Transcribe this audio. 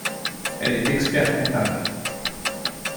Elle est expert-comptable.